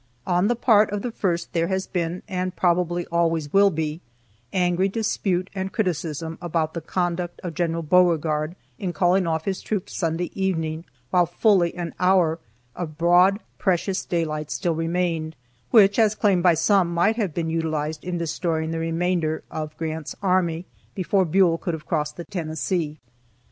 On the part of the first there has been, and probably always will be, angry dispute and criticism about the conduct of General Beauregard in calling off his troops Sunday evening while fully an hour of broad, precious daylight still remained, which, as claimed by some, might have been utilized in destroying the remainder of Grant's army before Buell could have crossed the Tennessee.